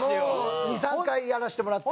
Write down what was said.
２３回やらしてもらって。